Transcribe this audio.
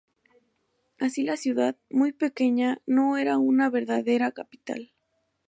Así la ciudad, muy pequeña, no era una verdadera capital.